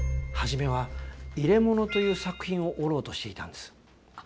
初めはいれものという作品を折ろうとしていたんです。